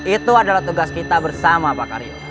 itu adalah tugas kita bersama pak karim